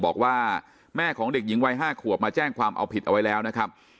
บอกว่าแม่ของเด็กหญิงวัย๕ขวบมาแจ้งความเอาผิดเอาไว้แล้วนะครับ